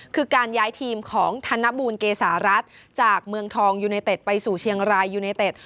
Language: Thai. คือการย้ายทีมของธนบูลเกษารัฐจากเมืองทองยูเนเต็ดไปสู่เชียงรายยูเนเต็ด